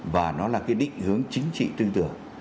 và nó là cái định hướng chính trị tư tưởng